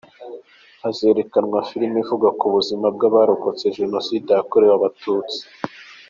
Hazerekanwa filime ivuga ku buzima bw’abarokotse Jenoside yakorewe Abatutsi.